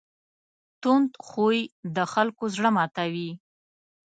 تند خوی د خلکو زړه ماتوي.